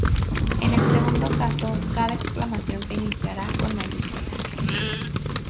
En el segundo caso, cada exclamación se iniciará con mayúscula.